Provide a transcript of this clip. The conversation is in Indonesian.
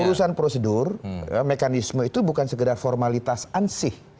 urusan prosedur mekanisme itu bukan sekedar formalitas ansih